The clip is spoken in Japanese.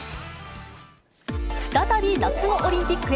再び夏のオリンピックへ。